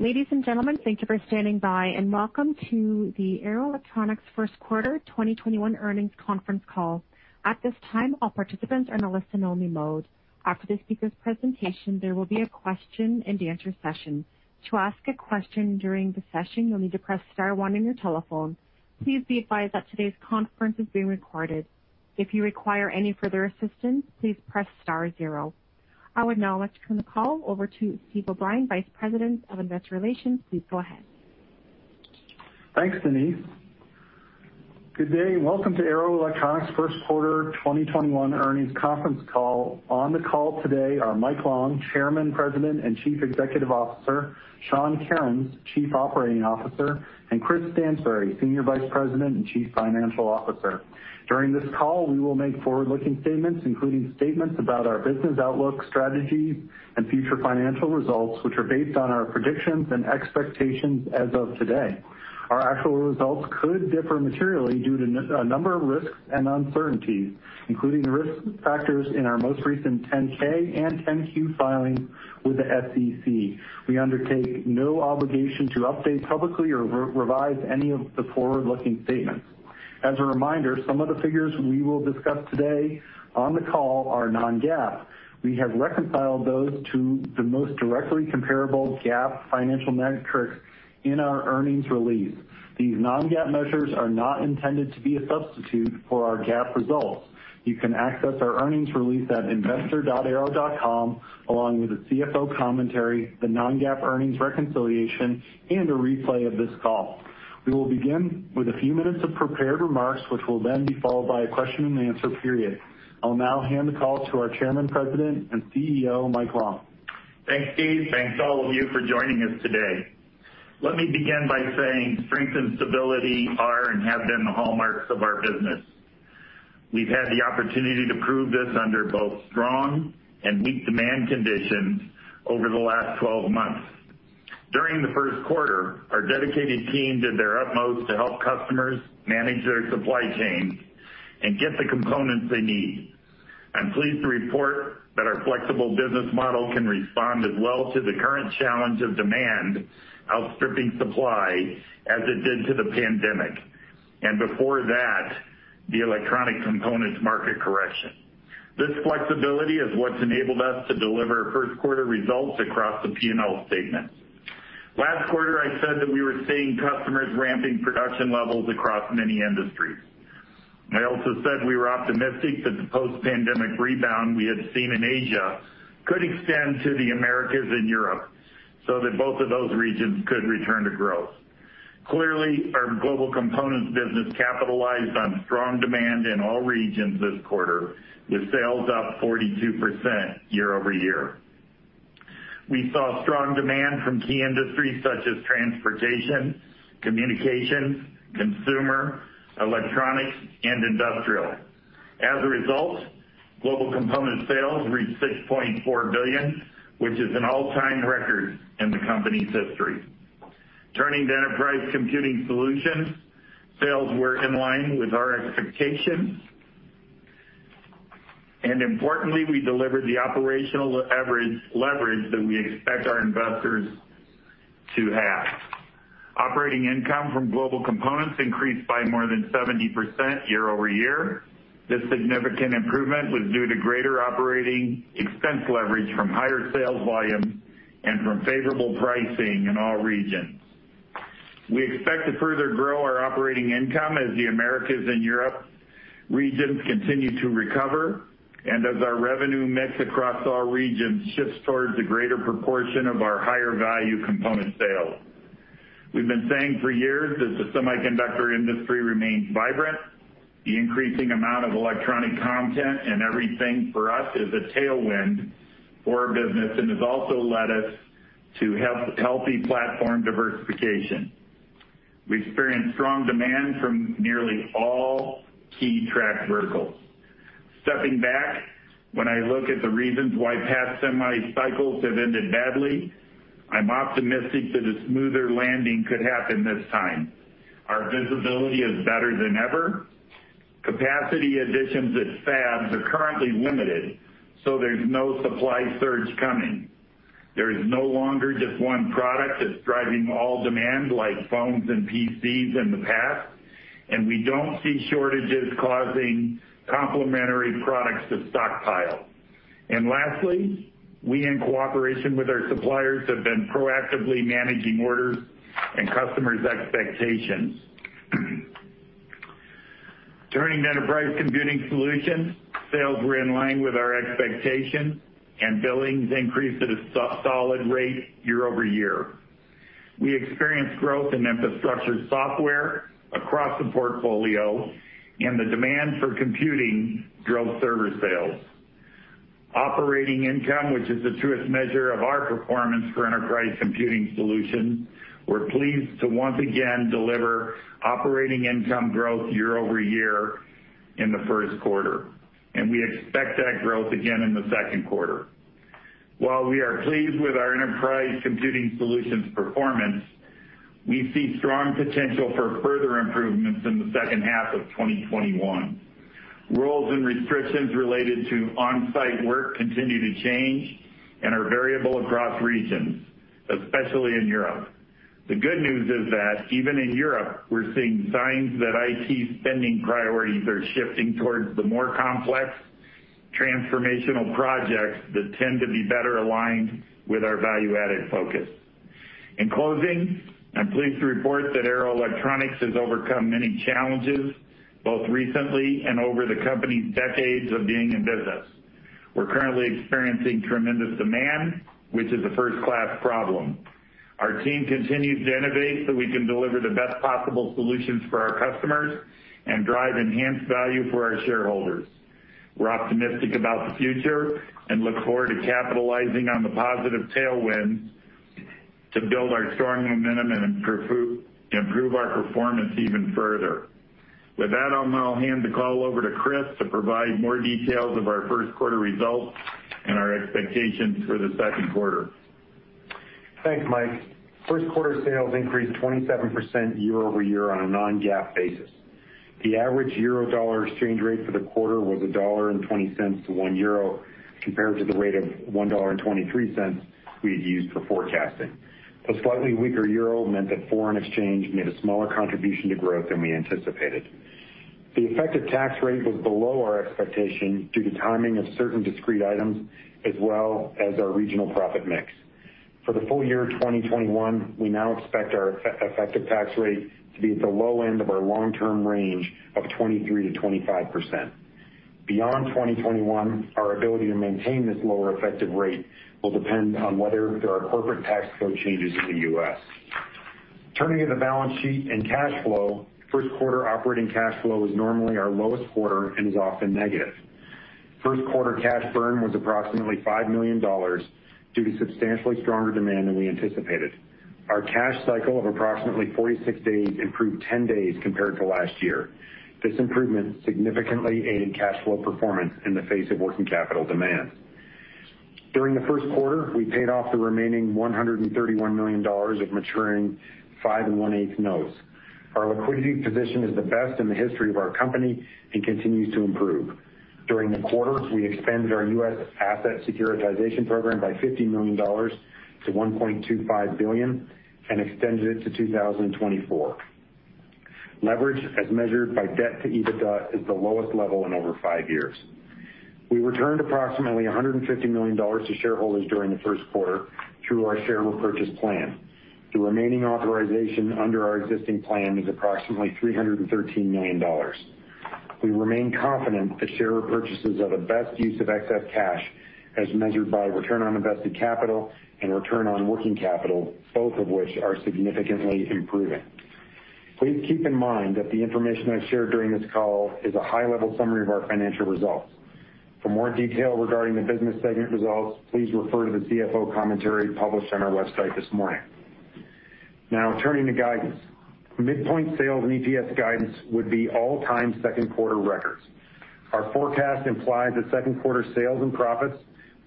Ladies and gentlemen, thank you for standing by, and welcome to the Arrow Electronics Q1 2021 Earnings Conference Call. At this time, all participants are in a listen-only mode. After the speaker's presentation, there will be a question and answer session. To ask a question during the session, you'll need to press star one on your telephone. Please be advised that today's conference is being recorded. If you require any further assistance, please press star zero. I would now like to turn the call over to Steven O'Brien, Vice President of Investor Relations. Please go ahead. Thanks, Denise. Good day. Welcome to Arrow Electronics' Q1 2021 Earnings Conference Call. On the call today are Mike Long, Chairman, President, and Chief Executive Officer, Sean Kerins, Chief Operating Officer, and Chris Stansbury, Senior Vice President and Chief Financial Officer. During this call, we will make forward-looking statements, including statements about our business outlook, strategies, and future financial results, which are based on our predictions and expectations as of today. Our actual results could differ materially due to a number of risks and uncertainties, including the risk factors in our most recent Form 10-K and Form 10-Q filing with the SEC. We undertake no obligation to update publicly or revise any of the forward-looking statements. As a reminder, some of the figures we will discuss today on the call are non-GAAP. We have reconciled those to the most directly comparable GAAP financial metrics in our earnings release. These non-GAAP measures are not intended to be a substitute for our GAAP results. You can access our earnings release at investor.arrow.com, along with the CFO commentary, the non-GAAP earnings reconciliation, and a replay of this call. We will begin with a few minutes of prepared remarks, which will then be followed by a question and answer period. I'll now hand the call to our Chairman, President, and CEO, Mike Long. Thanks, Steve. Thanks to all of you for joining us today. Let me begin by saying strength and stability are and have been the hallmarks of our business. We've had the opportunity to prove this under both strong and weak demand conditions over the last 12 months. During the Q1, our dedicated team did their utmost to help customers manage their supply chains and get the components they need. I'm pleased to report that our flexible business model can respond as well to the current challenge of demand outstripping supply as it did to the pandemic, and before that, the electronic components market correction. This flexibility is what's enabled us to deliver first-quarter results across the P&L statement. Last quarter, I said that we were seeing customers ramping production levels across many industries. I also said we were optimistic that the post-pandemic rebound we had seen in Asia could extend to the Americas and Europe, so that both of those regions could return to growth. Clearly, our global components business capitalized on strong demand in all regions this quarter, with sales up 42% year-over-year. We saw strong demand from key industries such as transportation, communications, consumer, electronics, and industrial. As a result, global components sales reached $6.4 billion, which is an all-time record in the company's history. Turning to Enterprise Computing Solutions, sales were in line with our expectations, and importantly, we delivered the operational leverage that we expect our investors to have. Operating income from global components increased by more than 70% year-over-year. This significant improvement was due to greater operating expense leverage from higher sales volumes and from favorable pricing in all regions. We expect to further grow our operating income as the Americas and Europe regions continue to recover and as our revenue mix across all regions shifts towards a greater proportion of our higher-value component sales. We've been saying for years that the semiconductor industry remains vibrant. The increasing amount of electronic content in everything for us is a tailwind for our business and has also led us to healthy platform diversification. We experienced strong demand from nearly all key tech verticals. Stepping back, when I look at the reasons why past semi cycles have ended badly, I'm optimistic that a smoother landing could happen this time. Our visibility is better than ever. Capacity additions at fabs are currently limited, so there's no supply surge coming. There is no longer just one product that's driving all demand, like phones and PCs in the past, and we don't see shortages causing complementary products to stockpile. Lastly, we, in cooperation with our suppliers, have been proactively managing orders and customers' expectations. Turning to Enterprise Computing Solutions, sales were in line with our expectations, and billings increased at a solid rate year-over-year. We experienced growth in infrastructure software across the portfolio, and the demand for computing drove server sales. Operating income, which is the truest measure of our performance for Enterprise Computing Solutions, we're pleased to once again deliver operating income growth year-over-year in the Q1, and we expect that growth again in the Q2. While we are pleased with our Enterprise Computing Solutions performance, we see strong potential for further improvements in the second half of 2021. Rules and restrictions related to on-site work continue to change and are variable across regions, especially in Europe. The good news is that even in Europe, we're seeing signs that IT spending priorities are shifting towards the more complex transformational projects that tend to be better aligned with our value-added focus. In closing, I'm pleased to report that Arrow Electronics has overcome many challenges, both recently and over the company's decades of being in business. We're currently experiencing tremendous demand, which is a first-class problem. Our team continues to innovate so we can deliver the best possible solutions for our customers, and drive enhanced value for our shareholders. We're optimistic about the future, and look forward to capitalizing on the positive tailwinds to build our strong momentum and improve our performance even further. With that, I'll now hand the call over to Chris to provide more details of our Q1 results and our expectations for the Q2. Thanks, Mike. Q1 sales increased 27% year-over-year on a non-GAAP basis. The average euro/dollar exchange rate for the quarter was $1.20 to €1, compared to the rate of $1.23 we had used for forecasting. The slightly weaker euro meant that foreign exchange made a smaller contribution to growth than we anticipated. The effective tax rate was below our expectation due to timing of certain discrete items as well as our regional profit mix. For the full year 2021, we now expect our effective tax rate to be at the low end of our long-term range of 23%-25%. Beyond 2021, our ability to maintain this lower effective rate will depend on whether there are corporate tax code changes in the U.S. Turning to the balance sheet and cash flow, Q1 operating cash flow is normally our lowest quarter and is often negative. Q1 cash burn was approximately $5 million due to substantially stronger demand than we anticipated. Our cash cycle of approximately 46 days improved 10 days compared to last year. This improvement significantly aided cash flow performance in the face of working capital demand. During the Q1, we paid off the remaining $131 million of maturing five 1/8% notes. Our liquidity position is the best in the history of our company and continues to improve. During the quarter, we expanded our U.S. asset securitization program by $50 million to $1.25 billion and extended it to 2024. Leverage, as measured by debt to EBITDA, is the lowest level in over five years. We returned approximately $150 million to shareholders during the Q1 through our share repurchase plan. The remaining authorization under our existing plan is approximately $313 million. We remain confident that share repurchases are the best use of excess cash as measured by return on invested capital and return on working capital, both of which are significantly improving. Please keep in mind that the information I've shared during this call is a high-level summary of our financial results. For more detail regarding the business segment results, please refer to the CFO commentary published on our website this morning. Now, turning to guidance. Midpoint sales and EPS guidance would be all-time Q2 records. Our forecast implies that Q2 sales and profits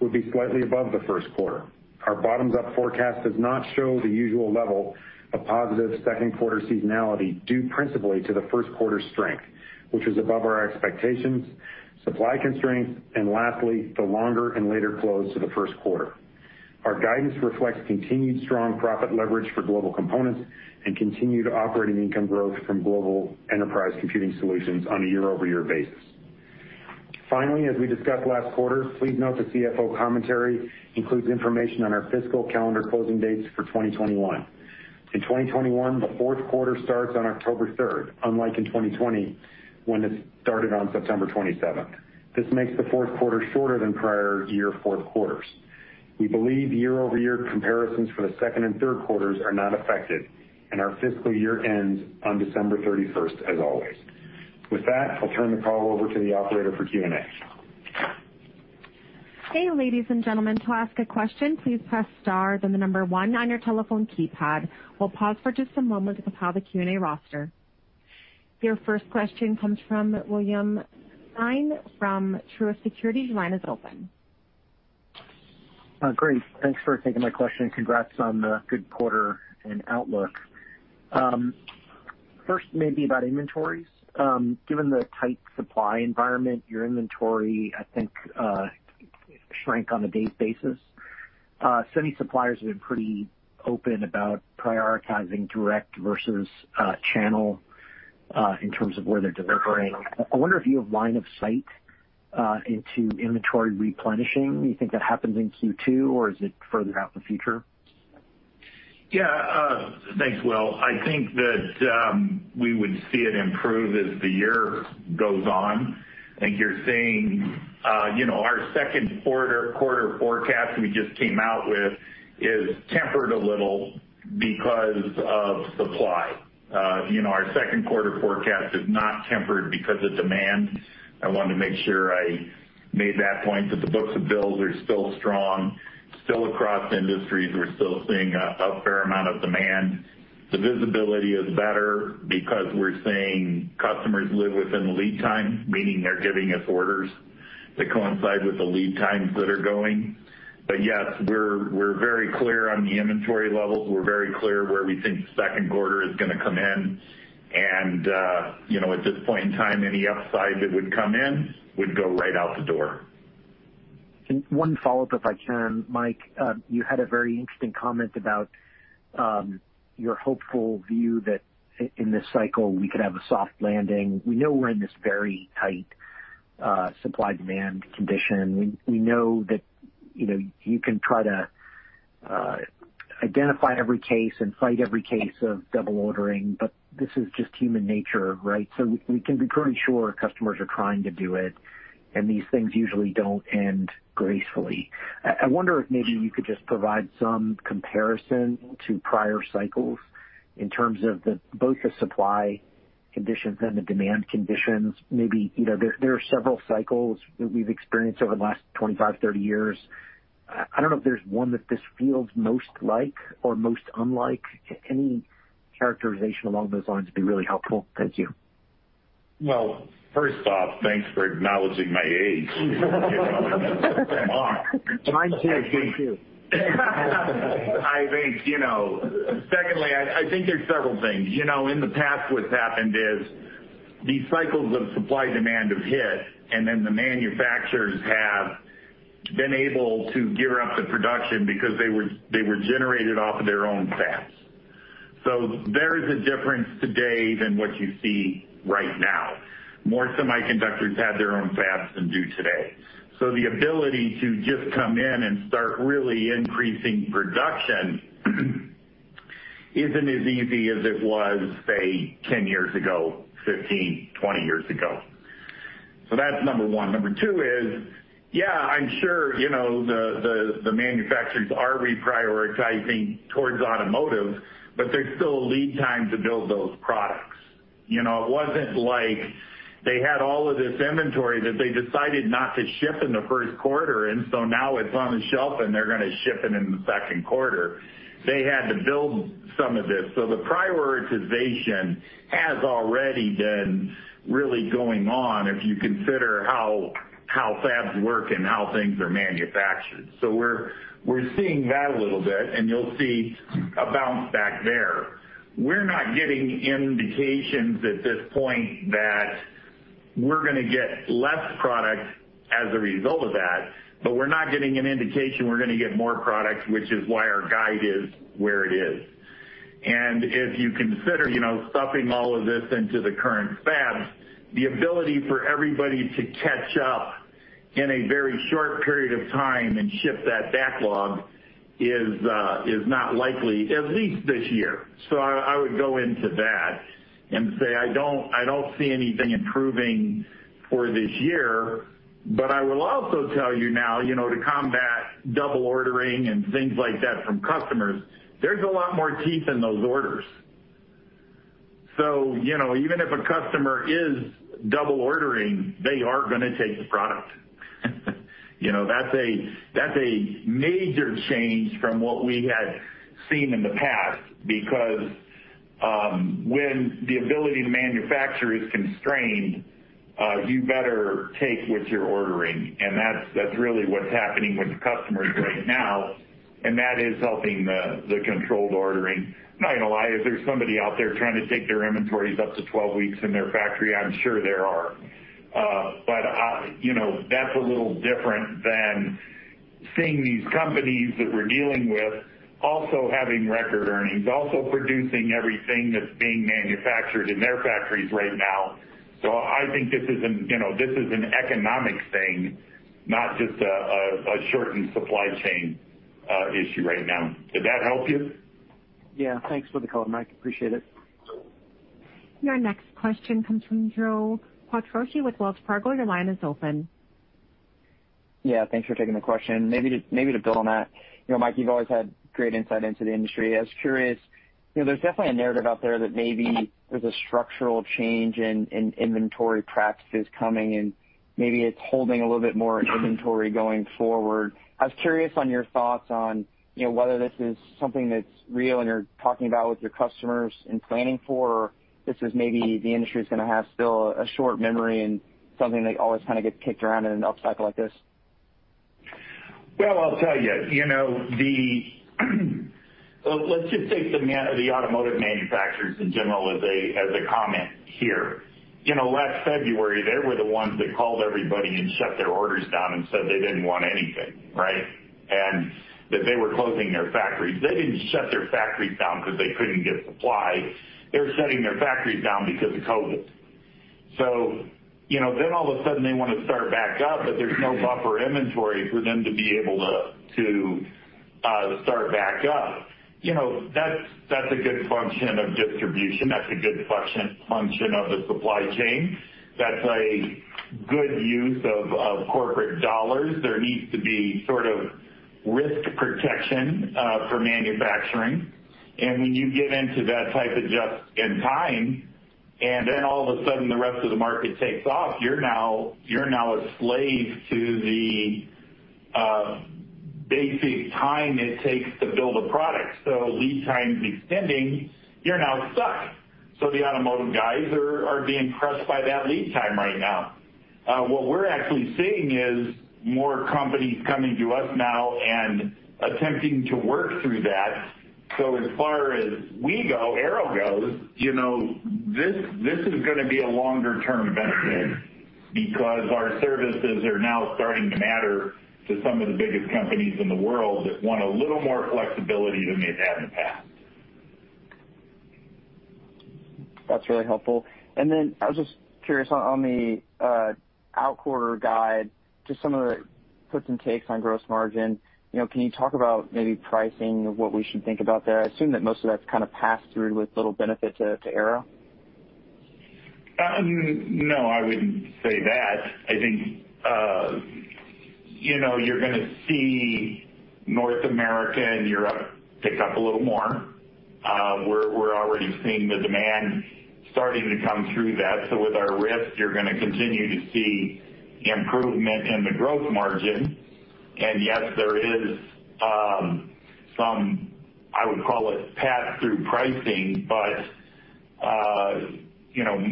will be slightly above the Q1. Our bottoms-up forecast does not show the usual level of positive Q2 seasonality due principally to the Q1 strength, which was above our expectations, supply constraints, and lastly, the longer and later close to the Q1. Our guidance reflects continued strong profit leverage for global components and continued operating income growth from Enterprise Computing Solutions on a year-over-year basis. Finally, as we discussed last quarter, please note the CFO commentary includes information on our fiscal calendar closing dates for 2021. In 2021, the Q4 starts on October 3rd, unlike in 2020 when it started on September 27th. This makes the Q4 shorter than prior year Q4s. We believe year-over-year comparisons for the Q2 and Q3s are not affected, and our fiscal year ends on December 31st as always. With that, I'll turn the call over to the operator for Q&A. Hey, ladies and gentlemen. To ask a question, please press star then the number one on your telephone keypad. We'll pause for just a moment to compile the Q&A roster. Your first question comes from William Stein from Truist Securities. Your line is open. Great. Thanks for taking my question and congrats on the good quarter and outlook. Maybe about inventories. Given the tight supply environment, your inventory, I think, shrank on a days basis. Semi suppliers have been pretty open about prioritizing direct versus channel in terms of where they're delivering. I wonder if you have line of sight into inventory replenishing. You think that happens in Q2, or is it further out in the future? Thanks, Will. I think that we would see it improve as the year goes on. I think you're seeing our Q2 forecast we just came out with is tempered a little because of supply. Our Q2 forecast is not tempered because of demand. I wanted to make sure I made that point, that the books of business are still strong. Across industries, we're still seeing a fair amount of demand. The visibility is better because we're seeing customers live within the lead time, meaning they're giving us orders that coincide with the lead times that are going. Yes, we're very clear on the inventory levels. We're very clear where we think Q2 is going to come in. At this point in time, any upside that would come in would go right out the door. One follow-up, if I can, Mike. You had a very interesting comment about your hopeful view that in this cycle, we could have a soft landing. We know we're in this very tight supply-demand condition. We know that you can try to identify every case and fight every case of double ordering, but this is just human nature, right? We can be pretty sure customers are trying to do it, and these things usually don't end gracefully. I wonder if maybe you could just provide some comparison to prior cycles in terms of both the supply conditions and the demand conditions. There are several cycles that we've experienced over the last 25, 30 years. I don't know if there's one that this feels most like or most unlike. Any characterization along those lines would be really helpful. Thank you. Well, first off, thanks for acknowledging my age. Mine too. Secondly, I think there's several things. In the past, what's happened is these cycles of supply-demand have hit, and then the manufacturers have been able to gear up the production because they were generated off of their own fabs. There is a difference today than what you see right now. More semiconductors had their own fabs than do today. The ability to just come in and start really increasing production isn't as easy as it was, say, 10 years ago, 15, 20 years ago. That's number one. Number two is, yeah, I'm sure the manufacturers are reprioritizing towards automotive, but there's still a lead time to build those products. It wasn't like they had all of this inventory that they decided not to ship in the Q1, and so now it's on the shelf, and they're going to ship it in the Q2. They had to build some of this. The prioritization has already been really going on, if you consider how fabs work and how things are manufactured. We're seeing that a little bit, and you'll see a bounce back there. We're not getting indications at this point that we're going to get less product as a result of that, but we're not getting an indication we're going to get more product, which is why our guide is where it is. If you consider stuffing all of this into the current fabs, the ability for everybody to catch up in a very short period of time and ship that backlog is not likely, at least this year. I would go into that and say I don't see anything improving for this year. I will also tell you now, to combat double ordering and things like that from customers, there's a lot more teeth in those orders. Even if a customer is double ordering, they are going to take the product. That's a major change from what we had seen in the past, because when the ability to manufacture is constrained, you better take what you're ordering, and that's really what's happening with the customers right now, and that is helping the controlled ordering. I'm not going to lie. If there's somebody out there trying to take their inventories up to 12 weeks in their factory, I'm sure there are. That's a little different than seeing these companies that we're dealing with also having record earnings, also producing everything that's being manufactured in their factories right now. I think this is an economic thing, not just a shortened supply chain issue right now. Did that help you? Yeah. Thanks for the color, Mike. Appreciate it. Your next question comes from Joe Quatrochi with Wells Fargo. Your line is open. Yeah. Thanks for taking the question. Maybe to build on that. Mike, you've always had great insight into the industry. I was curious, there's definitely a narrative out there that maybe there's a structural change in inventory practices coming, and maybe it's holding a little bit more inventory going forward. I was curious on your thoughts on whether this is something that's real and you're talking about with your customers and planning for, or this is maybe the industry's going to have still a short memory and something that always kind of gets kicked around in an upcycle like this. Well, I'll tell you. Let's just take the automotive manufacturers in general as a comment here. Last February, they were the ones that called everybody and shut their orders down and said they didn't want anything, right? That they were closing their factories. They didn't shut their factories down because they couldn't get supply. They were shutting their factories down because of COVID. All of a sudden, they want to start back up, but there's no buffer inventory for them to be able to start back up. That's a good function of distribution. That's a good function of the supply chain. That's a good use of corporate dollars. There needs to be sort of risk protection for manufacturing. When you get into that type of just in time, and then all of a sudden the rest of the market takes off, you're now a slave to the time it takes to build a product. Lead times extending, you're now stuck. The automotive guys are being pressed by that lead time right now. What we're actually seeing is more companies coming to us now and attempting to work through that. As far as we go, Arrow goes. This is going to be a longer-term benefit because our services are now starting to matter to some of the biggest companies in the world that want a little more flexibility than they've had in the past. That's really helpful. Then I was just curious on the out quarter guide, just some of the puts and takes on gross margin. Can you talk about maybe pricing, what we should think about there? I assume that most of that's kind of passed through with little benefit to Arrow. No, I wouldn't say that. I think you're going to see North America and Europe pick up a little more. We're already seeing the demand starting to come through that. With our risk, you're going to continue to see improvement in the gross margin. Yes, there is some, I would call it pass-through pricing, but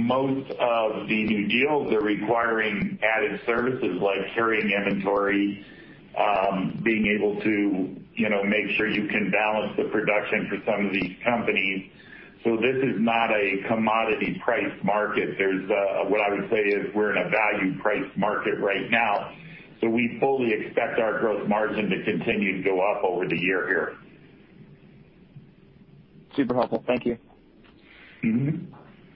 most of the new deals are requiring added services like carrying inventory, being able to make sure you can balance the production for some of these companies. This is not a commodity price market. What I would say is we're in a value price market right now, we fully expect our gross margin to continue to go up over the year here. Super helpful. Thank you.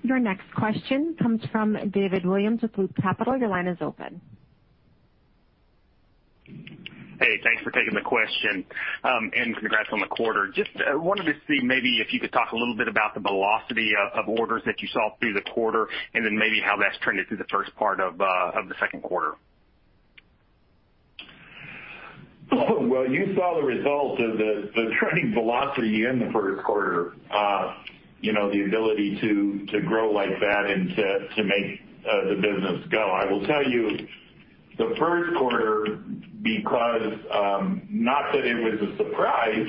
Your next question comes from David Williams with Loop Capital. Your line is open. Thanks for taking the question. Congrats on the quarter. Just wanted to see maybe if you could talk a little bit about the velocity of orders that you saw through the quarter, maybe how that's trended through the first part of the Q2. Well, you saw the result of the trending velocity in the Q1. The ability to grow like that and to make the business go. I will tell you, the Q1, because, not that it was a surprise,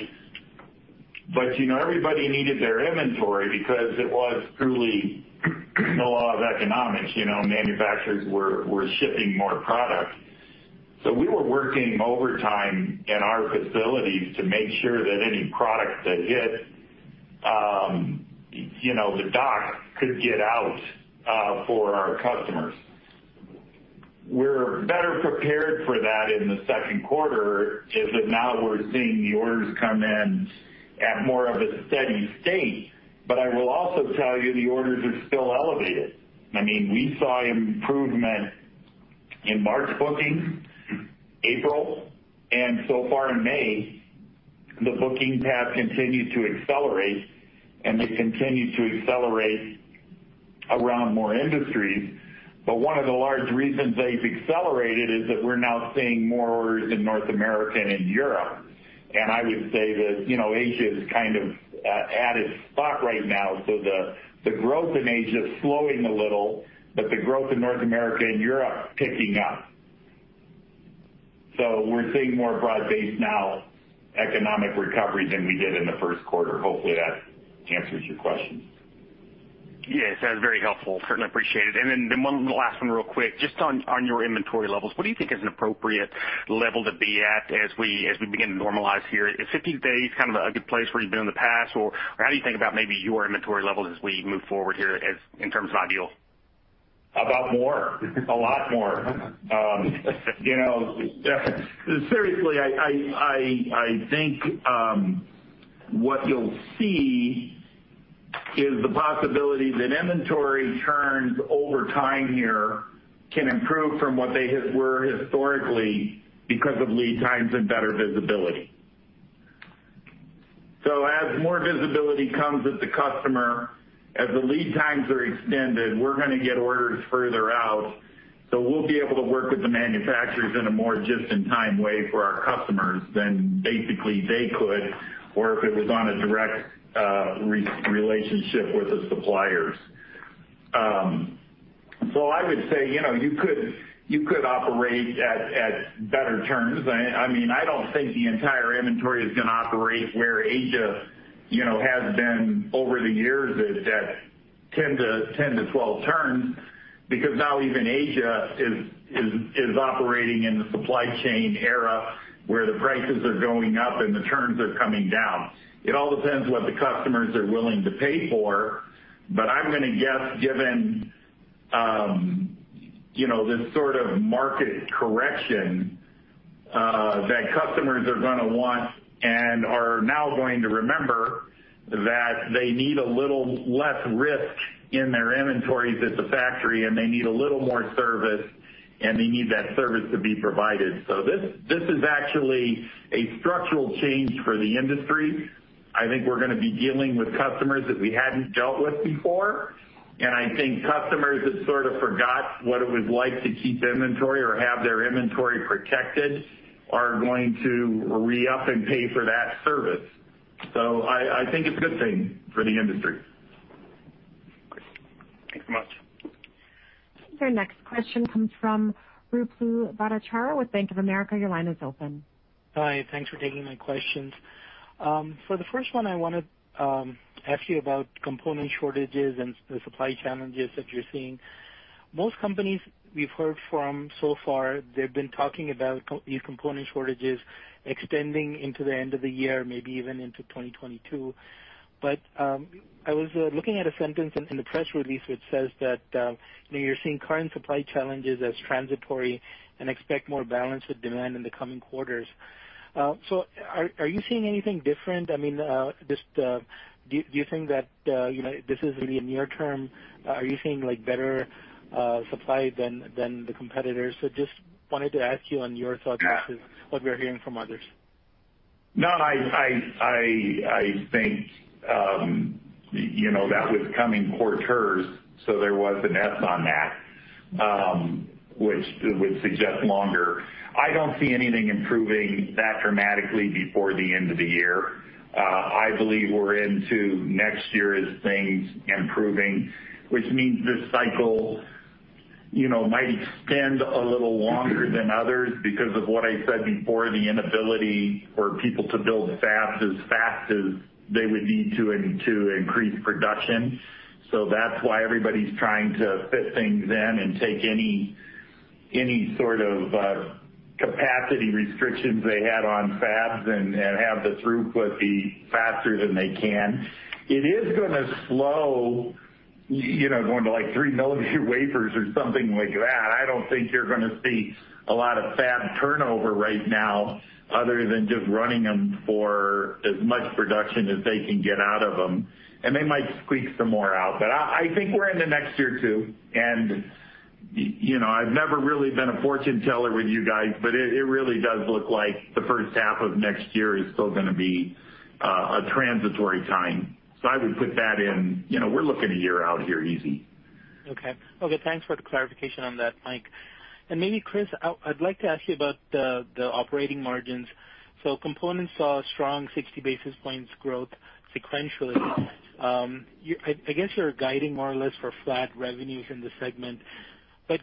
but everybody needed their inventory because it was truly the law of economics. Manufacturers were shipping more product. We were working overtime in our facilities to make sure that any product that hit the dock could get out for our customers. We're better prepared for that in the Q2, is that now we're seeing the orders come in at more of a steady state. I will also tell you the orders are still elevated. We saw improvement in March bookings, April, and so far in May, the booking path continued to accelerate, and they continue to accelerate around more industries. One of the large reasons they've accelerated is that we're now seeing more orders in North America and in Europe. I would say that Asia is kind of at a spot right now. The growth in Asia is slowing a little, but the growth in North America and Europe, picking up. We're seeing more broad-based now economic recovery than we did in the Q1. Hopefully, that answers your questions. Yes. That was very helpful and I appreciate it. The last one real quick, just on your inventory levels, what do you think is an appropriate level to be at as we begin to normalize here? Is 15 days kind of a good place where you've been in the past, or how do you think about maybe your inventory levels as we move forward here in terms of ideal? About more. A lot more. Seriously, I think what you'll see is the possibility that inventory turns over time here can improve from what they were historically because of lead times and better visibility. As more visibility comes at the customer, as the lead times are extended, we're going to get orders further out. We'll be able to work with the manufacturers in a more just-in-time way for our customers than basically they could, or if it was on a direct relationship with the suppliers. I would say, you could operate at better terms. I don't think the entire inventory is going to operate where Asia has been over the years is at 10 to 12 turns, because now even Asia is operating in the supply chain era where the prices are going up and the turns are coming down. It all depends what the customers are willing to pay for, but I'm going to guess given this sort of market correction, that customers are going to want and are now going to remember that they need a little less risk in their inventories at the factory, and they need a little more service, and they need that service to be provided. This is actually a structural change for the industry. I think we're going to be dealing with customers that we hadn't dealt with before, and I think customers that sort of forgot what it was like to keep inventory or have their inventory protected are going to re-up and pay for that service. I think it's a good thing for the industry. Thanks so much. Your next question comes from Ruplu Bhattacharya with Bank of America. Hi. Thanks for taking my questions. For the first one, I want to ask you about component shortages and the supply challenges that you're seeing. Most companies we've heard from so far, they've been talking about these component shortages extending into the end of the year, maybe even into 2022. I was looking at a sentence in the press release, which says that you're seeing current supply challenges as transitory and expect more balance with demand in the coming quarters. Are you seeing anything different? Do you think that this is really near-term? Are you seeing better supply than the competitors? Just wanted to ask you on your thoughts versus what we're hearing from others. No, I think that was coming quarters. There was a net on that, which would suggest longer. I don't see anything improving that dramatically before the end of the year. I believe we're into next year as things improving, which means this cycle might extend a little longer than others because of what I said before, the inability for people to build fabs as fast as they would need to increase production. That's why everybody's trying to fit things in and take any sort of capacity restrictions they had on fabs and have the throughput be faster than they can. It is going to slow, going to like three millimeter wafers or something like that. I don't think you're going to see a lot of fab turnover right now, other than just running them for as much production as they can get out of them. They might squeak some more out. I think we're in the next year too, and I've never really been a fortune teller with you guys, but it really does look like the first half of next year is still going to be a transitory time. I would put that in, we're looking a year out here, easy. Okay. Thanks for the clarification on that, Mike. Maybe Chris, I'd like to ask you about the operating margins. So components saw a strong 60 basis points growth sequentially. I guess you're guiding more or less for flat revenues in this segment. Are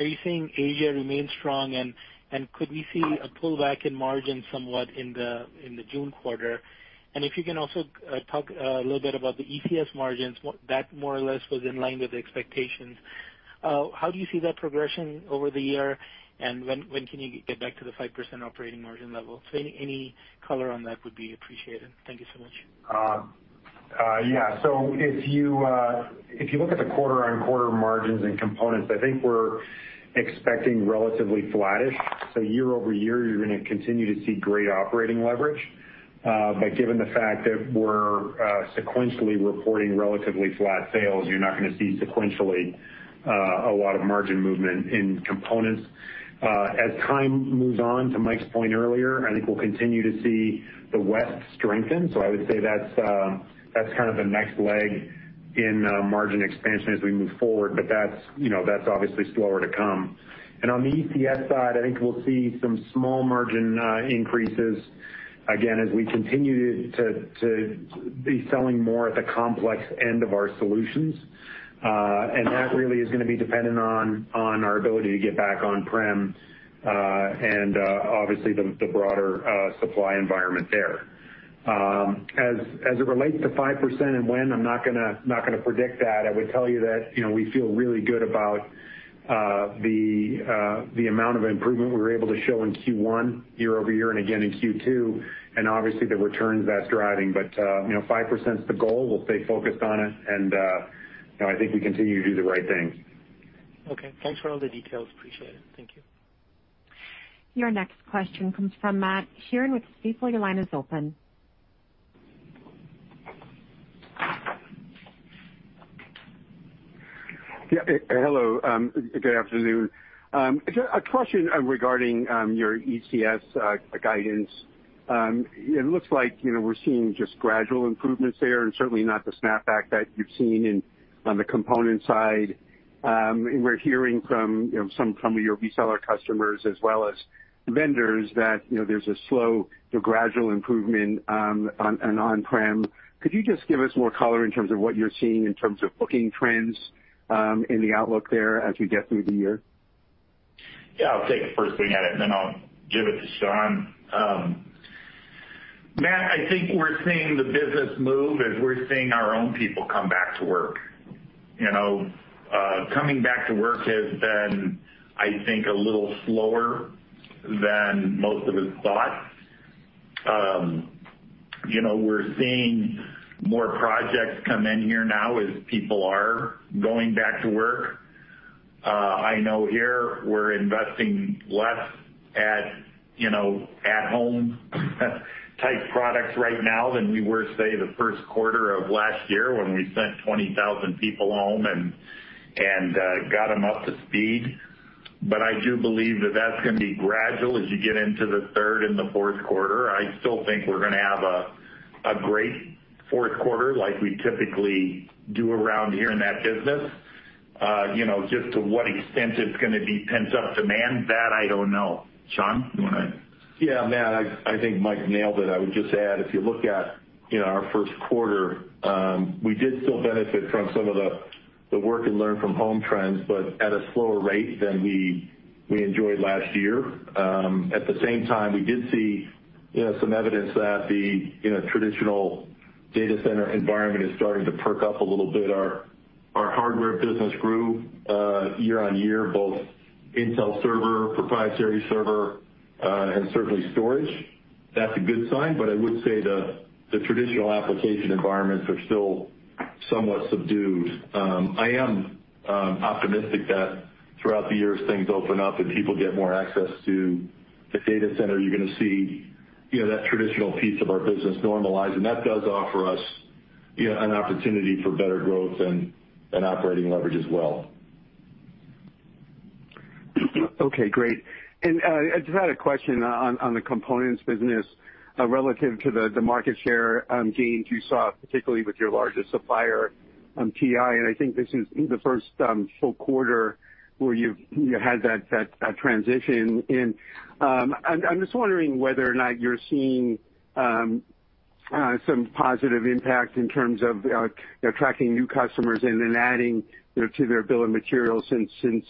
you seeing Asia remain strong, and could we see a pullback in margin somewhat in the June quarter? If you can also talk a little bit about the ECS margins, that more or less was in line with the expectations. How do you see that progression over the year, and when can you get back to the 5% operating margin level? Any color on that would be appreciated. Thank you so much. Yeah. If you look at the quarter-over-quarter margins and components, I think we're expecting relatively flattish. Year-over-year, you're going to continue to see great operating leverage. Given the fact that we're sequentially reporting relatively flat sales, you're not going to see sequentially a lot of margin movement in components. As time moves on, to Mike's point earlier, I think we'll continue to see the West strengthen. I would say that's kind of the next leg in margin expansion as we move forward. That's obviously slower to come. On the ECS side, I think we'll see some small margin increases, again, as we continue to be selling more at the complex end of our solutions. That really is going to be dependent on our ability to get back on-prem, and obviously the broader supply environment there. As it relates to 5% and when, I'm not going to predict that. I would tell you that we feel really good about the amount of improvement we were able to show in Q1 year-over-year, and again in Q2, and obviously the returns that's driving. 5%'s the goal. We'll stay focused on it, and I think we continue to do the right things. Okay. Thanks for all the details. Appreciate it. Thank you. Your next question comes from Matt Sheerin with Stifel. Your line is open. Hello. Good afternoon. A question regarding your ECS guidance. It looks like we're seeing just gradual improvements there, and certainly not the snapback that you've seen on the component side. And we're hearing from some of your reseller customers as well as vendors that there's a slow to gradual improvement on an on-prem. Could you just give us more color in terms of what you're seeing in terms of booking trends in the outlook there as we get through the year? Yeah, I'll take a first swing at it, and then I'll give it to Sean. Matt, I think we're seeing the business move as we're seeing our own people come back to work. Coming back to work has been, I think, a little slower than most of us thought. We're seeing more projects come in here now as people are going back to work. I know here we're investing less at home type products right now than we were, say, the Q1 of last year when we sent 20,000 people home and got them up to speed. I do believe that that's going to be gradual as you get into the Q3 and the Q4. I still think we're going to have a great Q4, like we typically do around here in that business. Just to what extent it's going to be pent-up demand, that I don't know. Sean, you want to? Yeah, Matt, I think Mike nailed it. I would just add, if you look at our Q1, we did still benefit from some of the work and learn from home trends, but at a slower rate than we enjoyed last year. At the same time, we did see some evidence that the traditional data center environment is starting to perk up a little bit. Our hardware business grew year-over-year, both Intel server, proprietary server, and certainly storage. That's a good sign. I would say the traditional application environments are still somewhat subdued. I am optimistic that throughout the years, things open up and people get more access to the data center. You're going to see that traditional piece of our business normalize, and that does offer us an opportunity for better growth and operating leverage as well. Okay, great. Just had a question on the components business relative to the market share gains you saw, particularly with your largest supplier, TI. I think this is the first full quarter where you had that transition in. I'm just wondering whether or not you're seeing some positive impact in terms of attracting new customers and then adding to their bill of materials since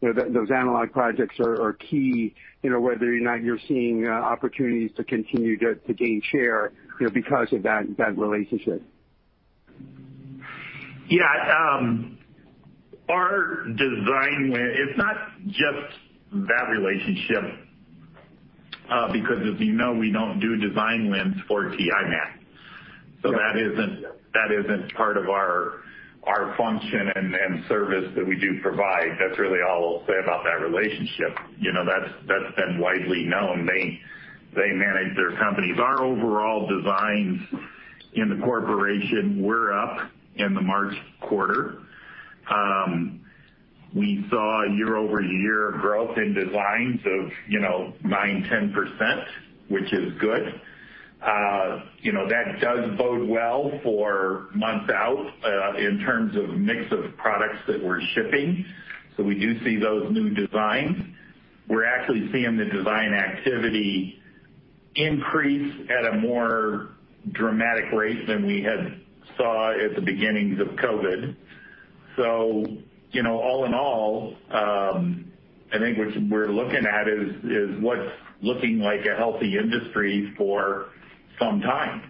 those analog projects are key, whether or not you're seeing opportunities to continue to gain share because of that relationship. Yeah. It's not just that relationship, because as you know, we don't do design wins for TI, Matt. Yeah. That isn't part of our function and service that we do provide. That's really all I'll say about that relationship. That's been widely known. They manage their companies. Our overall designs in the corporation were up in the March quarter. We saw year-over-year growth in designs of 9%, 10%, which is good. That does bode well for months out in terms of mix of products that we're shipping. We do see those new designs. We're actually seeing the design activity increase at a more dramatic rate than we had saw at the beginnings of COVID. All in all, I think what we're looking at is what's looking like a healthy industry for some time.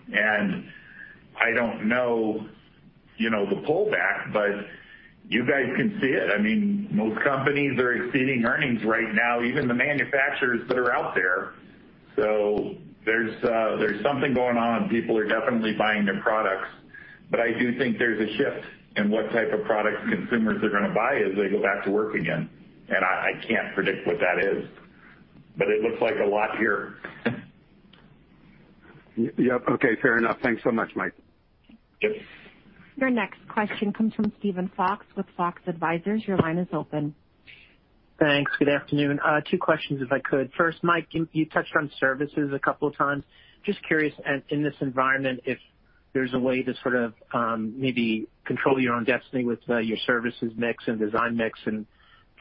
I don't know the pullback, but you guys can see it. Most companies are exceeding earnings right now, even the manufacturers that are out there. There's something going on. People are definitely buying their products. I do think there's a shift in what type of products consumers are going to buy as they go back to work again. I can't predict what that is, but it looks like a lot here. Yep. Okay, fair enough. Thanks so much, Mike. Yep. Your next question comes from Steven Fox with Fox Advisors. Your line is open. Thanks. Good afternoon. Two questions, if I could. First, Mike, you touched on services a couple of times. Just curious, in this environment, if there's a way to sort of maybe control your own destiny with your services mix and design mix and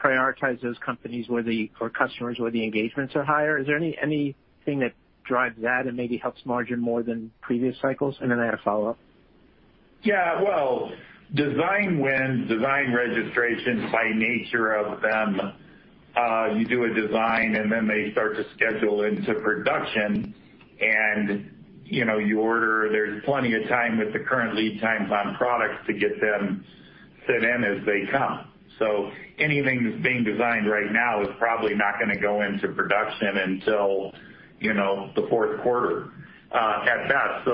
prioritize those companies where the customers where the engagements are higher. Is there anything that drives that and maybe helps margin more than previous cycles? And then I had a follow-up. Yeah. Well, design wins, design registrations, by nature of them, you do a design and then they start to schedule into production and you order. There's plenty of time with the current lead times on products to get them fit in as they come. Anything that's being designed right now is probably not going to go into production until the Q4, at best.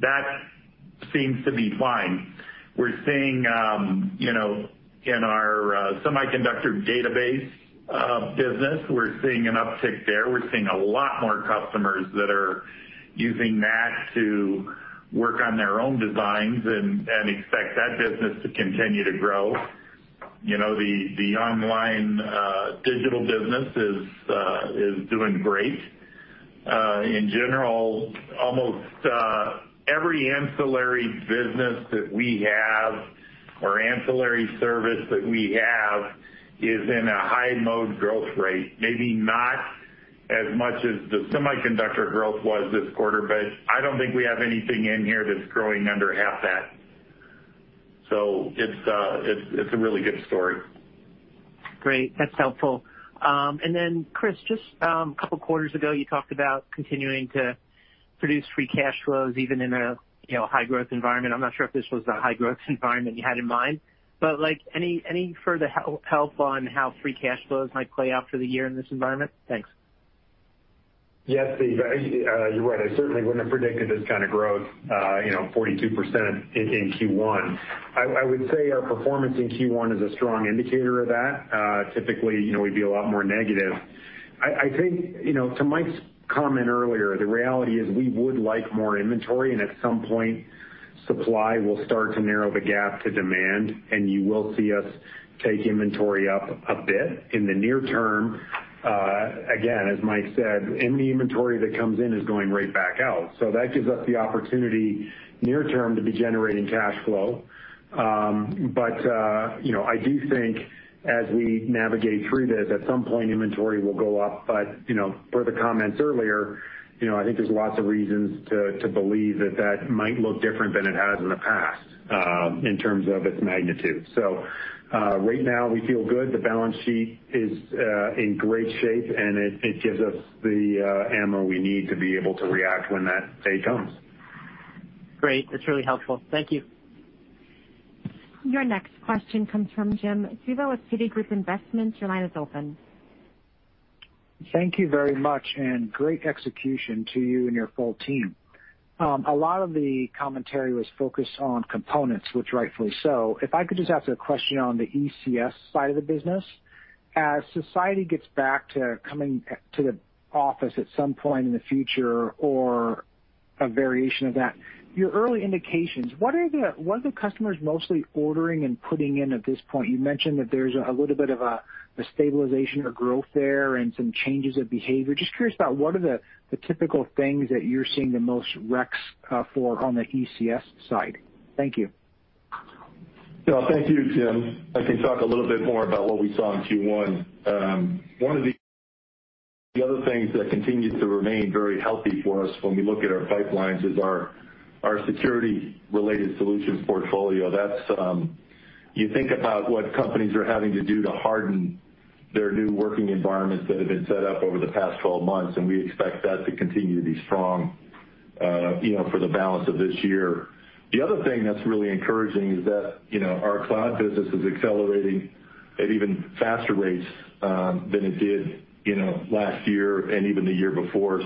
That seems to be fine. We're seeing in our semiconductor database business, we're seeing an uptick there. We're seeing a lot more customers that are using that to work on their own designs and expect that business to continue to grow. The online digital business is doing great. In general, almost every ancillary business that we have or ancillary service that we have is in a high mode growth rate, maybe not as much as the semiconductor growth was this quarter. I don't think we have anything in here that's growing under half that. It's a really good story. Great. That's helpful. Then Chris, just a couple of quarters ago, you talked about continuing to produce free cash flows even in a high growth environment. I'm not sure if this was the high growth environment you had in mind, any further help on how free cash flows might play out for the year in this environment? Thanks. Yes, Steve, you're right. I certainly wouldn't have predicted this kind of growth, 42% in Q1. I would say our performance in Q1 is a strong indicator of that. Typically, we'd be a lot more negative. I think to Mike's comment earlier, the reality is we would like more inventory. At some point, supply will start to narrow the gap to demand, and you will see us take inventory up a bit in the near term. Again, as Mike said, any inventory that comes in is going right back out. That gives us the opportunity near term to be generating cash flow. I do think as we navigate through this, at some point inventory will go up. But for the comments earlier, I think there's lots of reasons to believe that that might look different than it has in the past in terms of its magnitude. Right now we feel good. The balance sheet is in great shape, and it gives us the ammo we need to be able to react when that day comes. Great. That's really helpful. Thank you. Your next question comes from Jim Suva with Citigroup Investments. Your line is open. Thank you very much, and great execution to you and your full team. A lot of the commentary was focused on components, which rightfully so. If I could just ask a question on the ECS side of the business. As society gets back to coming to the office at some point in the future, or a variation of that, your early indications, what are the customers mostly ordering and putting in at this point? You mentioned that there's a little bit of a stabilization or growth there and some changes of behavior. Just curious about what are the typical things that you're seeing the most recs for on the ECS side. Thank you. No, thank you, Jim. I can talk a little bit more about what we saw in Q1. One of the other things that continues to remain very healthy for us when we look at our pipelines is our security-related solutions portfolio. You think about what companies are having to do to harden their new working environments that have been set up over the past 12 months. We expect that to continue to be strong for the balance of this year. The other thing that's really encouraging is that our cloud business is accelerating at even faster rates than it did last year and even the year before.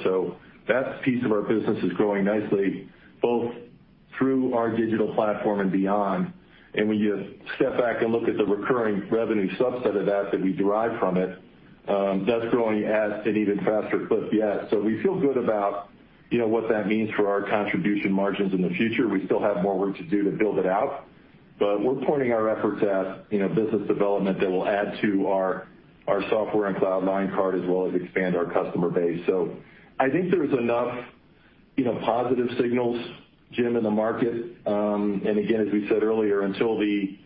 That piece of our business is growing nicely, both through our digital platform and beyond. When you step back and look at the recurring revenue subset of that we derive from it, that's growing at an even faster clip yet. We feel good about what that means for our contribution margins in the future. We still have more work to do to build it out, but we're pointing our efforts at business development that will add to our software and cloud line card as well as expand our customer base. I think there's enough positive signals, Jim, in the market. Again, as we said earlier, until the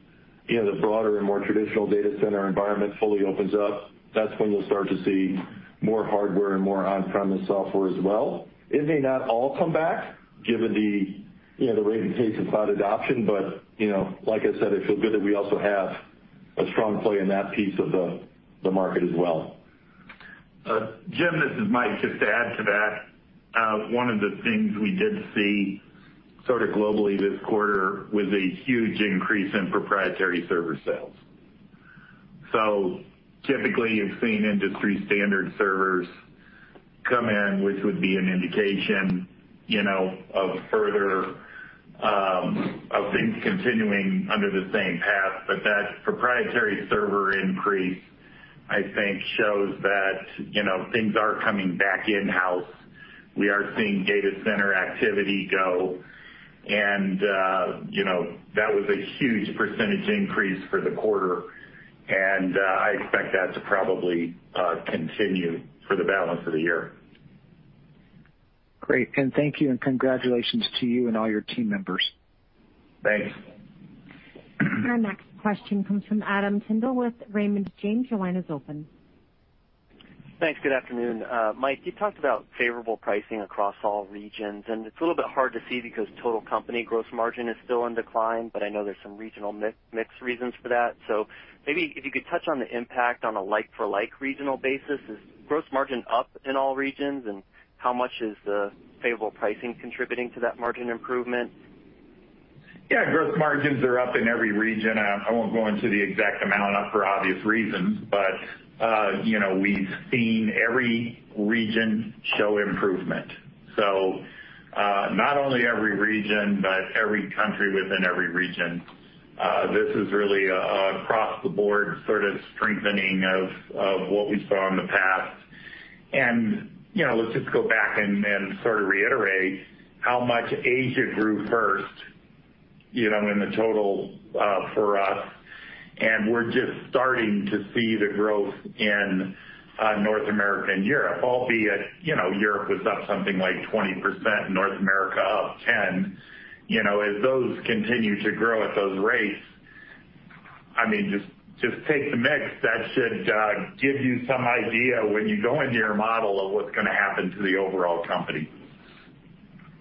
broader and more traditional data center environment fully opens up, that's when you'll start to see more hardware and more on-premise software as well. It may not all come back given the rate and pace of cloud adoption, but like I said, I feel good that we also have a strong play in that piece of the market as well. Jim, this is Mike. Just to add to that, one of the things we did see sort of globally this quarter was a huge increase in proprietary server sales. Typically, you've seen industry-standard servers come in, which would be an indication of things continuing under the same path. That proprietary server increase, I think, shows that things are coming back in-house. We are seeing data center activity go, and that was a huge percentage increase for the quarter, and I expect that to probably continue for the balance of the year. Great. And thank you and congratulations to you and all your team members. Thanks. Our next question comes from Adam Tindle with Raymond James. Your line is open. Thanks. Good afternoon. Mike, you talked about favorable pricing across all regions, and it's a little bit hard to see because total company gross margin is still in decline. I know there's some regional mix reasons for that. Maybe if you could touch on the impact on a like-for-like regional basis. Is gross margin up in all regions, and how much is the favorable pricing contributing to that margin improvement? Yeah. Gross margins are up in every region. I won't go into the exact amount for obvious reasons, but we've seen every region show improvement. Not only every region, but every country within every region. This is really an across-the-board sort of strengthening of what we saw in the past. Let's just go back and sort of reiterate how much Asia grew first in the total for us, and we're just starting to see the growth in North America and Europe, albeit Europe was up something like 20%, North America up 10%. As those continue to grow at those rates, just take the mix. That should give you some idea when you go into your model of what's going to happen to the overall company.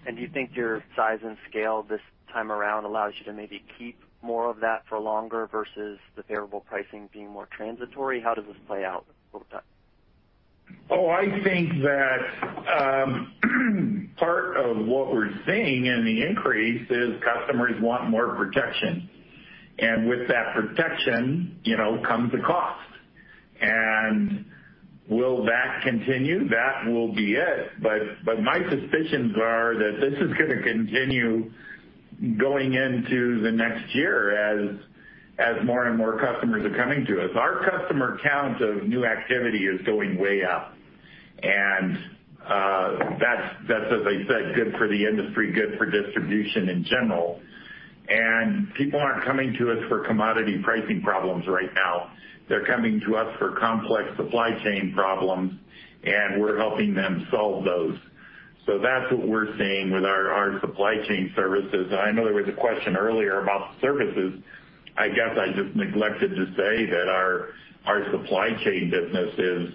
Do you think your size and scale this time around allows you to maybe keep more of that for longer versus the favorable pricing being more transitory? How does this play out over time? I think that part of what we're seeing in the increase is customers want more protection, and with that protection comes a cost. Will that continue? That will be it. My suspicions are that this is going to continue going into the next year as more and more customers are coming to us. Our customer count of new activity is going way up. That's, as I said, good for the industry, good for distribution in general. People aren't coming to us for commodity pricing problems right now. They're coming to us for complex supply chain problems, and we're helping them solve those. That's what we're seeing with our supply chain services. I know there was a question earlier about services. I guess I just neglected to say that our supply chain business is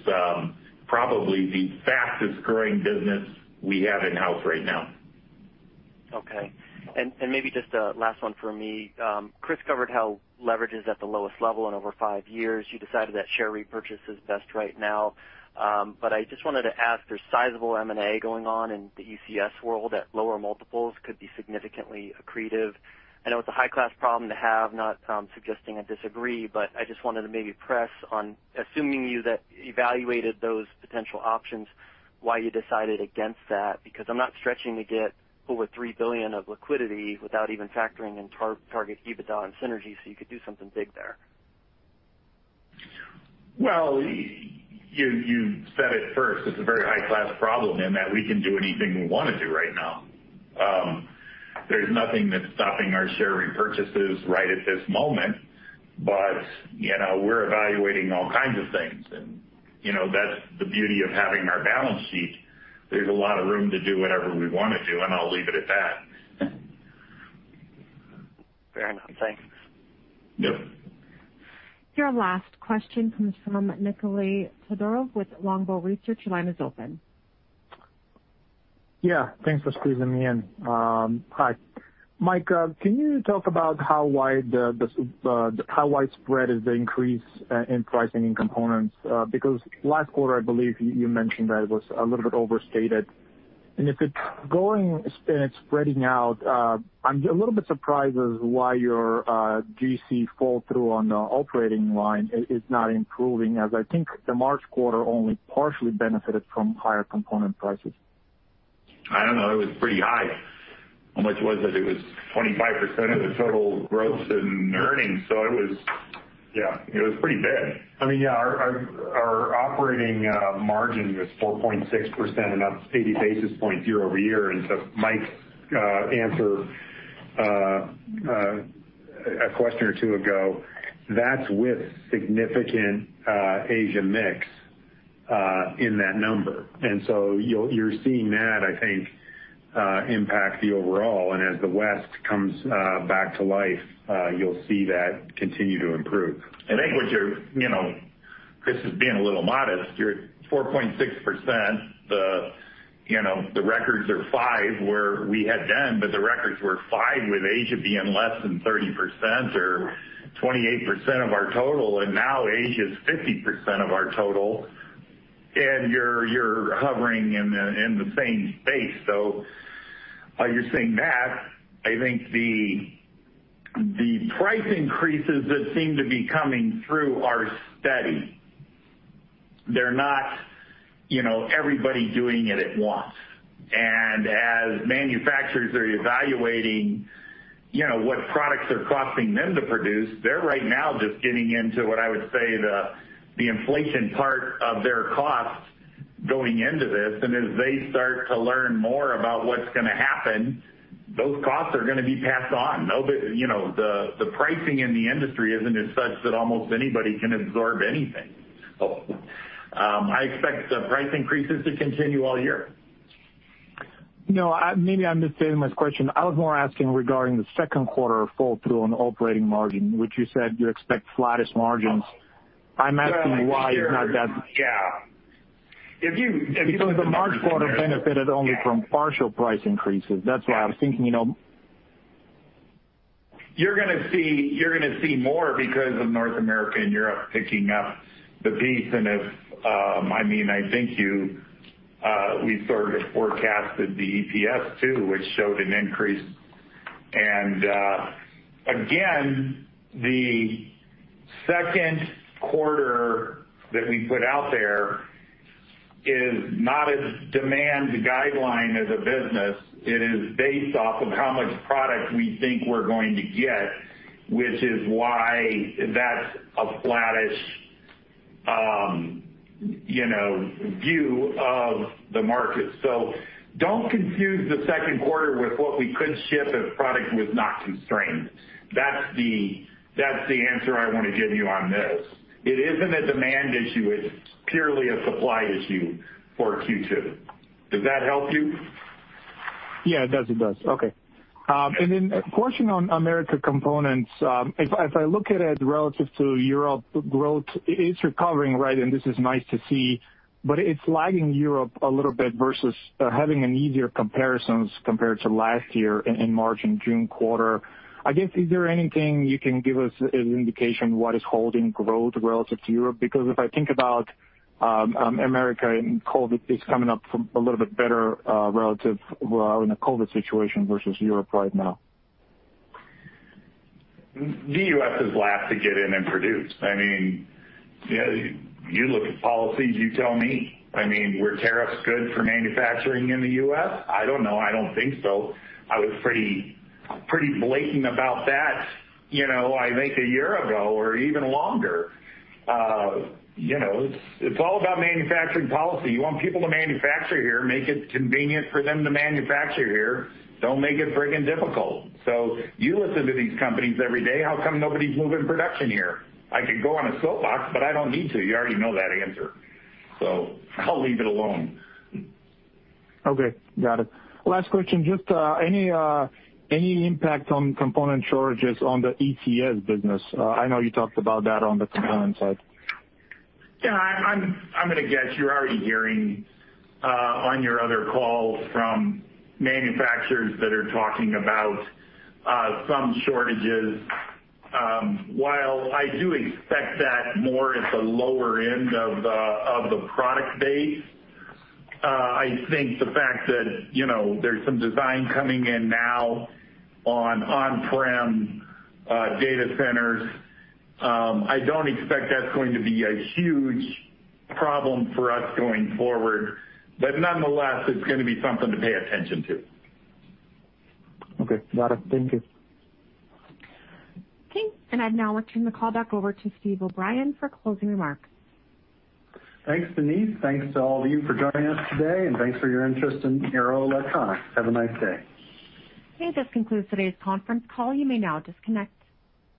probably the fastest-growing business we have in-house right now. Okay. Maybe just a last one from me. Chris covered how leverage is at the lowest level in over five years. You decided that share repurchase is best right now. I just wanted to ask, there's sizable M&A going on in the ECS world at lower multiples, could be significantly accretive. I know it's a high-class problem to have, not suggesting I disagree, but I just wanted to maybe press on, assuming you evaluated those potential options, why you decided against that, because I'm not stretching to get over $3 billion of liquidity without even factoring in target EBITDA and synergies, so you could do something big there. Well, you said it first. It's a very high-class problem in that we can do anything we want to do right now. There's nothing that's stopping our share repurchases right at this moment. We're evaluating all kinds of things, and that's the beauty of having our balance sheet. There's a lot of room to do whatever we want to do, and I'll leave it at that. Fair enough. Thanks. Yep. Your last question comes from Nikolay Todorov with Longbow Research. Your line is open. Yeah. Thanks for squeezing me in. Hi. Mike, can you talk about how widespread is the increase in pricing in components? Because last quarter, I believe you mentioned that it was a little bit overstated. If it's going and it's spreading out, I'm a little bit surprised as why your GC fall-through on the operating line is not improving, as I think the March quarter only partially benefited from higher component prices. I don't know. It was pretty high. How much was it? It was 25% of the total growth in earnings, so it was pretty bad. I mean yes, our operating margin was 4.6%. That's 80 basis points year-over-year. Mike answered a question or two ago, that's with significant Asia mix in that number. You're seeing that, I think, impact the overall. As the West comes back to life, you'll see that continue to improve. I think Chris is being a little modest. You're at 4.6%. The records are 5%, where we had done, but the records were 5% with Asia being less than 30% or 28% of our total, and now Asia is 50% of our total, and you're hovering in the same space. While you're seeing that, I think the price increases that seem to be coming through are steady. They're not everybody doing it at once. As manufacturers are evaluating what products are costing them to produce, they're right now just getting into what I would say the inflation part of their cost going into this. As they start to learn more about what's going to happen, those costs are going to be passed on. The pricing in the industry isn't as such that almost anybody can absorb anything. I expect the price increases to continue all year. Maybe I'm misstating my question. I was more asking regarding the Q2 fall-through on operating margin, which you said you expect flattest margins. I'm asking why it's not that. Yeah. Because the March quarter benefited only from partial price increases. That's what I'm thinking. You're going to see more because of North America and Europe picking up the piece. I think we sort of forecasted the EPS too, which showed an increase. Again, the Q2 that we put out there is not a demand guideline as a business. It is based off of how much product we think we're going to get, which is why that's a flattish view of the market. Don't confuse the Q2 with what we could ship if product was not constrained. That's the answer I want to give you on this. It isn't a demand issue. It's purely a supply issue for Q2. Does that help you? Yeah, it does. Okay. Then a question on America components. If I look at it relative to Europe, growth is recovering, right? This is nice to see, but it's lagging Europe a little bit versus having an easier comparisons to last year in March and June quarters. I guess, is there anything you can give us as an indication what is holding growth relative to Europe? If I think about America and COVID, it's coming up from a little bit better relative in a COVID situation versus Europe right now. The U.S. is last to get in and produce. You look at policies, you tell me. Were tariffs good for manufacturing in the U.S.? I don't know. I don't think so. I was pretty blatant about that I think a year ago or even longer. It's all about manufacturing policy. You want people to manufacture here, make it convenient for them to manufacture here. Don't make it freaking difficult. You listen to these companies every day. How come nobody's moving production here? I could go on a soapbox, but I don't need to. You already know that answer, I'll leave it alone. Okay. Got it. Last question, just any impact on component shortages on the ECS business? I know you talked about that on the component side. I'm going to guess you're already hearing on your other calls from manufacturers that are talking about some shortages. While I do expect that more at the lower end of the product base, I think the fact that there's some design coming in now on on-prem data centers, I don't expect that's going to be a huge problem for us going forward. Nonetheless, it's going to be something to pay attention to. Okay. Got it. Thank you. Okay. I'd now like to turn the call back over to Steven O'Brien for closing remarks. Thanks, Denise. Thanks to all of you for joining us today, and thanks for your interest in Arrow Electronics. Have a nice day. This concludes today's conference call. You may now disconnect.